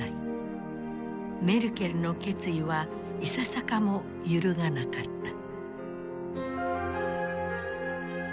メルケルの決意はいささかも揺るがなかった。